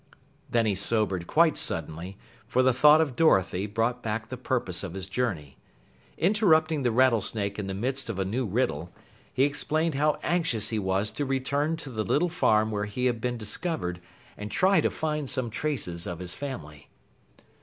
Then he sobered quite suddenly, for the thought of Dorothy brought back the purpose of his journey. Interrupting the Rattlesnake in the midst of a new riddle, he explained how anxious he was to return to the little farm where he had been discovered and try to find some traces of his family.